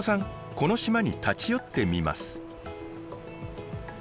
この島に立ち寄ってみます。